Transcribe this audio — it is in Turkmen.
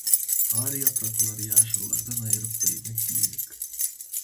Sary ýapraklary ýaşyllardan aýryp bilmek diýmek.